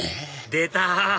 出た！